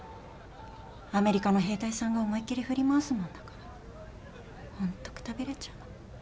アメリカの兵隊さんが思いっきり振り回すもんだから本当くたびれちゃう。